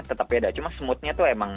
tetap ada cuma smoothnya